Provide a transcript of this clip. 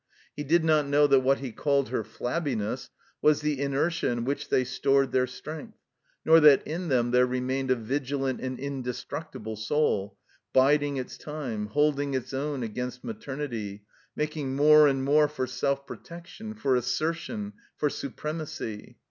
He did not know that what he called her flabbiness was the inertia in which they stored their strength, nor that in them there remained a vigilant and inde structible soul, biding its time, holding its own against maternity, making more and more for self protection, for assertion, for supremacy.